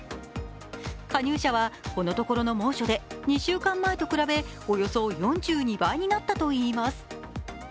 加入者はこのところの猛暑で２週間前と比べおよそ４２倍になったといいます。